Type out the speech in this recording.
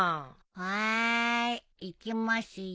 はーい行きますよ